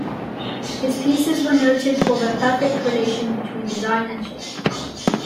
His pieces were noted for their perfect relation between design and shape.